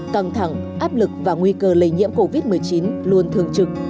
căng thẳng áp lực và nguy cơ lây nhiễm covid một mươi chín luôn thường trực